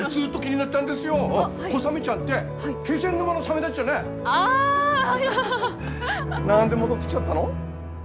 なんで戻ってきちゃったの？